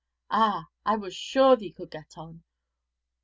'Ah! I was sure thee could get on.